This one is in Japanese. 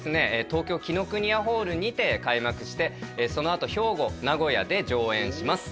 東京紀伊國屋ホールにて開幕してそのあと兵庫名古屋で上演します